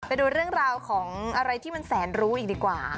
ไปดูเรื่องราวของอะไรที่มันแสนรู้อีกดีกว่า